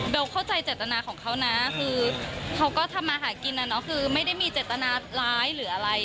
เข้าใจเจตนาของเขานะคือเขาก็ทำมาหากินนะเนาะคือไม่ได้มีเจตนาร้ายหรืออะไร